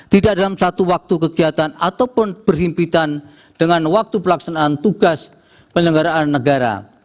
tidak dalam satu waktu kegiatan ataupun berhimpitan dengan waktu pelaksanaan tugas penyelenggaraan negara